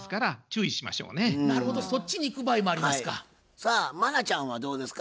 さあ茉奈ちゃんはどうですか？